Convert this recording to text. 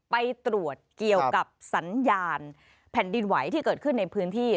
ไปตรวจเกี่ยวกับสัญญาณแผ่นดินไหวที่เกิดขึ้นในพื้นที่